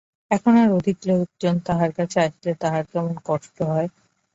এখন আর অধিক লোকজন তাহার কাছে আসিলে তাহার কেমন কষ্ট হয়।